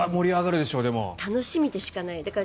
楽しみでしかない。